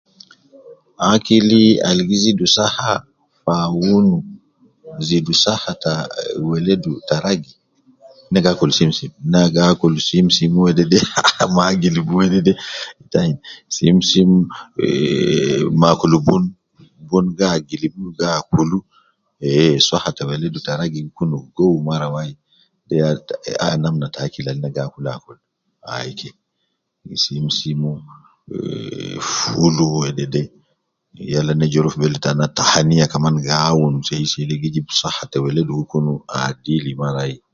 Akili al gi zidu saha ma awunu zidu saha ta weledu ta ragi, ne gi akul simsim, na gi akul simsim wedede ah ah ma agilibu wedede tain, simsim eeeh, ma akul bun, bun gi agilibu gi akulu, eh swaha ta weledu ta ragi gi kun gowu mara wai, de ya al ta eh namna ta akil al na gi akul akul, ai ke, simisim, eehh fulu wedede, yala na ja ruwa fi bele taan naa ,ah tahania gi awunu sei sei de, gi jib saha te weledu gi kun adil mara wai.